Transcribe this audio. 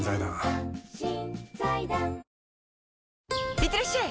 いってらっしゃい！